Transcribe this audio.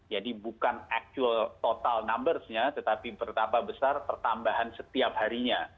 jadi bukan total numbers nya tetapi betapa besar pertambahan setiap harinya